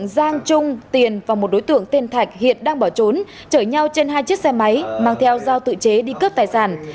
giang trung tiền và một đối tượng tên thạch hiện đang bỏ trốn chở nhau trên hai chiếc xe máy mang theo dao tự chế đi cướp tài sản